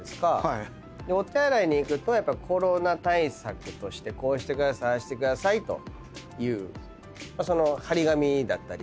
お手洗いに行くとコロナ対策としてこうしてくださいああしてくださいという張り紙だったり。